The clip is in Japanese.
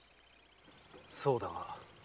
そうだが。